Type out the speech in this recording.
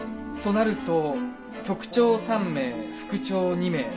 となると局長３名副長２名